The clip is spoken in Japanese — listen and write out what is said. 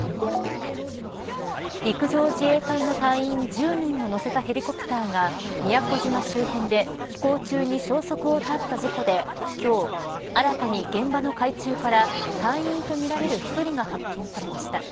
陸上自衛隊の隊員１０人を乗せたヘリコプターが宮古島周辺で飛行中に消息を絶った事故で今日、新たに現場の海中から隊員とみられる１人が発見されました。